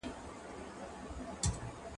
کتاب د زده کوونکي لخوا لوستل کېږي،